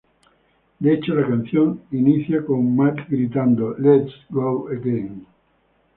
De hecho, la canción inicia con Matt gritando: ""Let's go again!